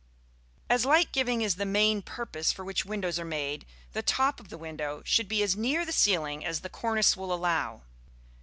As light giving is the main purpose for which windows are made, the top of the window should be as near the ceiling as the cornice will allow.